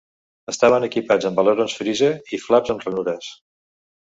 Estaven equipats amb alerons Frise i flaps amb ranures.